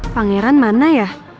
pangeran mana ya